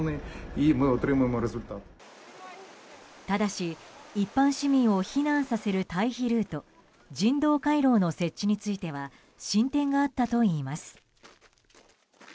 ただし、一般市民を避難させる退避ルート人道回廊の設置については進展があったといいます。